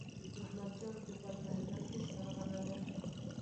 احمد جان پوپل په هلمند کې سرغنه دی.